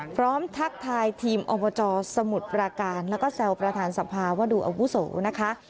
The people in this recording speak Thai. ทักทายทีมอบจสมุทรปราการแล้วก็แซวประธานสภาว่าดูอาวุโสนะคะ